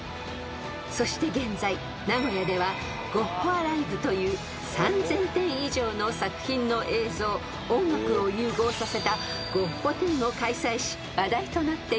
［そして現在名古屋ではゴッホ・アライブという３，０００点以上の作品の映像音楽を融合させたゴッホ展を開催し話題となっています］